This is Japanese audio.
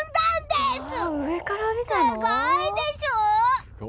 すごいでしょ！